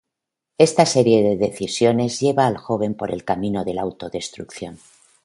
Esta serie de decisiones lleva al joven por el camino de la autodestrucción.